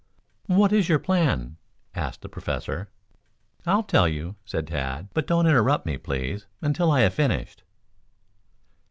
"What is your plan?" asked the Professor. "I'll tell you," said Tad. "But don't interrupt me, please, until I have finished."